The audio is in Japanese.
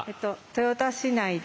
豊田市内です。